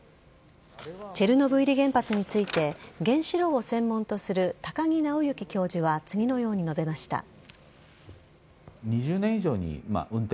チェルノブイリ原発について原子炉を専門とする高木直行教授は次のように述べました。